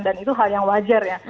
dan itu hal yang wajar ya